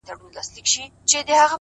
هره ورځ د عادتونو جوړولو وخت دی!